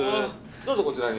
どうぞこちらに。